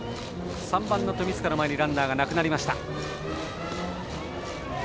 ３番の富塚の前にランナーがなくなりました。